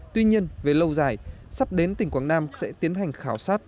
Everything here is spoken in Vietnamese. tuy nhiên về lâu dài sắp đến tỉnh quảng nam sẽ tiến hành khảo sát